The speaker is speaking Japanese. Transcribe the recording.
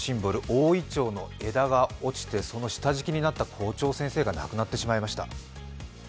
大いちょうの木が折れてその下敷きになった校長先生が亡くなってしまいました。